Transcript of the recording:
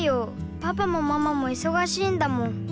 パパもママもいそがしいんだもん。